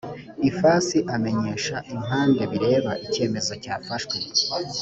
ifasi amenyesha impande bireba icyemezo cyafashwe